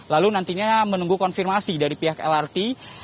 lalu nantinya menunggu konfirmasi dari pihak lrt